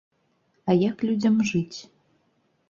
А як людзям жыць?